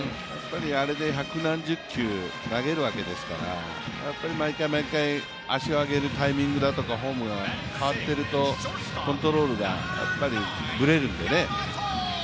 あれで百何十球投げるわけですから毎回毎回足を上げるタイミングだとかフォームが変わっていると、コントロールがブレるんでね。